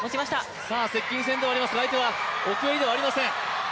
接近戦ではありますが相手は奥襟ではありません。